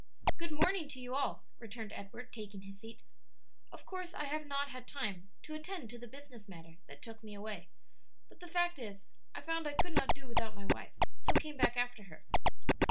"Good morning to you all," returned Edward, taking his seat. "Of course I have not had time to attend to the business matter that took me away; but the fact is, I found I could not do without my wife, so came back after her."